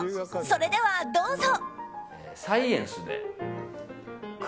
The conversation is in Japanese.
それではどうぞ。